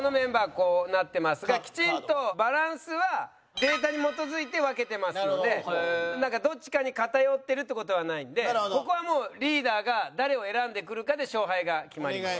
こうなってますがきちんとバランスはデータに基づいて分けてますのでなんかどっちかに偏ってるって事はないんでここはもうリーダーが誰を選んでくるかで勝敗が決まります。